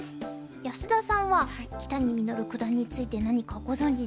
安田さんは木谷實九段について何かご存じですか？